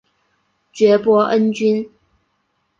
爵波恩君。